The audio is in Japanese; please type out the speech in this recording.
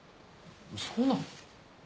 そうなの？